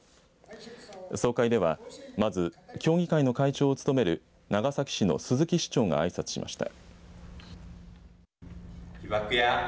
総会では、まず協議会の会長を務める長崎市の鈴木市長があいさつしました。